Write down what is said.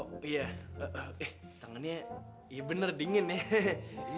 oh iya eh tangannya ya bener dingin ya